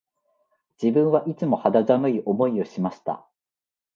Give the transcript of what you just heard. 自分はいつも肌寒い思いをしました